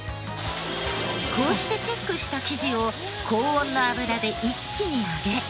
こうしてチェックした生地を高温の油で一気に揚げ。